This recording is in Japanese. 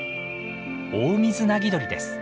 オオミズナギドリです。